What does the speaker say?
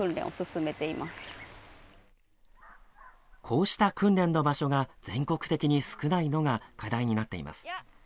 こうした訓練の場所が全国的に少ないのが課題になっています。